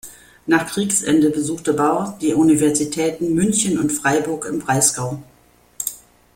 Nach Kriegsende besuchte Baur die Universitäten München und Freiburg im Breisgau.